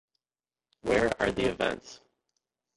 Where are the events?